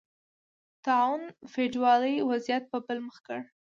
طاعون فیوډالي وضعیت په بل مخ کړ